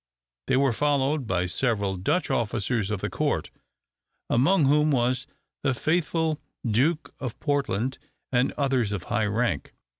They were followed by several Dutch officers of the court, among whom was the faithful Duke of Portland, and others of high rank.